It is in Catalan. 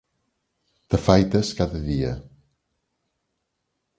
T'afaites cada dia.